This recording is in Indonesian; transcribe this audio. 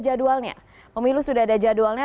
jadwalnya pemilu sudah ada jadwalnya